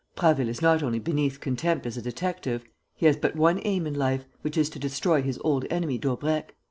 Prasville is not only beneath contempt as a detective: he has but one aim in life, which is to destroy his old enemy, Daubrecq.